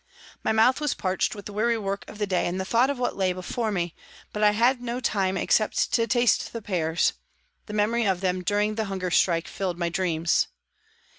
My mouth was parched with the weary work of the day and the thought of what lay before me, but I had no time except to taste the pears ; the memory of them during the hunger strike filled my dreams.